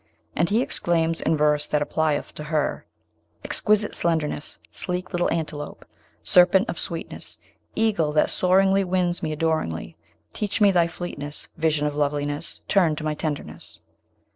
And he exclaims, in verse that applieth to her: Exquisite slenderness! Sleek little antelope! Serpent of sweetness! Eagle that soaringly Wins me adoringly! Teach me thy fleetness, Vision of loveliness; Turn to my tenderness!